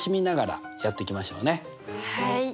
はい。